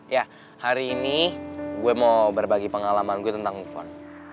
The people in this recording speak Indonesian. ya hari ini gue mau berbagi pengalaman gue tentang move on